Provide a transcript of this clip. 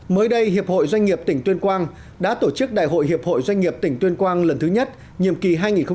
mới đây hiệp hội doanh nghiệp tỉnh tuyên quang đã tổ chức đại hội hiệp hội doanh nghiệp tỉnh tuyên quang lần thứ nhất nhiệm kỳ hai nghìn hai mươi hai nghìn hai mươi bốn